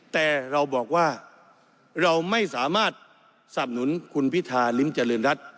แต่เราบอกว่าเราไม่สามารถสับหนุนคุณพิธาริมเจริญรัฐ